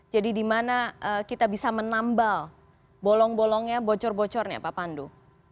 jadi di mana kita bisa menambal bolong bolongnya bocor bocornya pak pandu